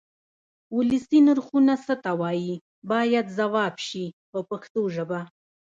ولسي نرخونه څه ته وایي باید ځواب شي په پښتو ژبه.